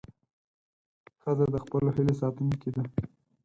ښځه د خپلو هیلې ساتونکې ده.